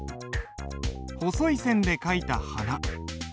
細い線で書いた「花」。